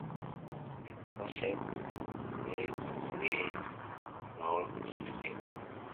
Kemp herself played the lead role in the film.